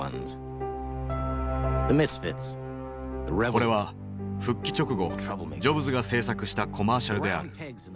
これは復帰直後ジョブズが制作したコマーシャルである。